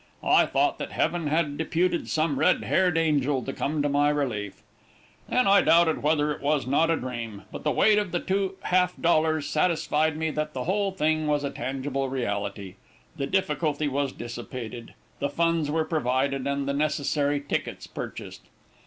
I thought that heaven had deputed some red haired angel to come to my relief. Then I doubted whether it was not a dream; but the weight of the two half dollars satisfied me that the whole thing was a tangible reality. The difficulty was dissipated, the funds were provided, and the necessary tickets purchased.